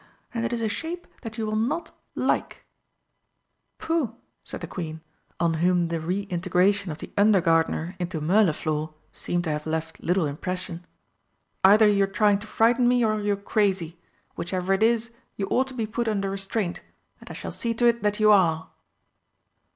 And it is a shape that you will not like!" "Pooh!" said the Queen, on whom the re integration of the under gardener into Mirliflor seemed to have left little impression. "Either you're trying to frighten me or you're crazy. Whichever it is, you ought to be put under restraint and I shall see to it that you are!"